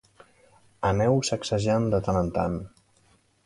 Aneu-ho sacsejant de tant en tant